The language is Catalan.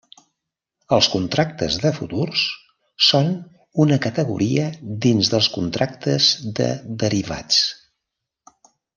Els contractes de futurs són una categoria dins dels contractes de derivats.